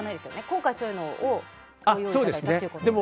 今回、そういうのをご用意いただいたんですよね。